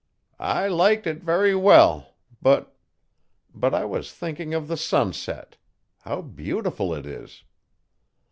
'I liked it very well but but I was thinking of the sunset. How beautiful it is.